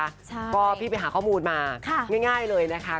ใช่ก็พี่ไปหาข้อมูลมาง่ายเลยนะคะ